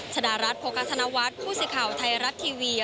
ชดารัฐโภคธนวัฒน์ผู้สื่อข่าวไทยรัฐทีวี